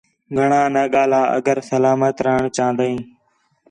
گھݨاں نہ ڳاہلا اگر سلامت رہݨ چاہن٘دا ہیں